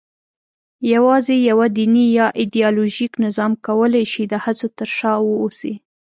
یواځې یوه دیني یا ایدیالوژیک نظام کولای شوای د هڅو تر شا واوسي.